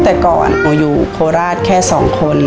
แต่ก่อนหนูอยู่โคราชแค่๒คน